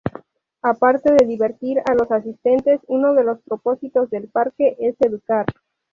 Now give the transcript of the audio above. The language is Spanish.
Aparte de divertir a los asistentes, uno de los propósitos del parque es educar.